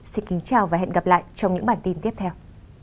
xin kính chào và hẹn gặp lại trong những bản tin tiếp theo